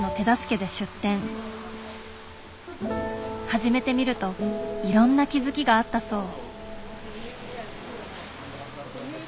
始めてみるといろんな気付きがあったそう。